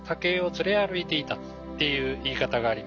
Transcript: っていう言い方があります。